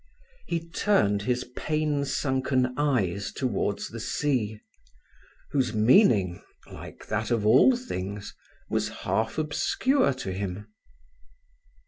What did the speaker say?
He turned his pain sunken eyes towards the sea, whose meaning, like that of all things, was half obscure to him.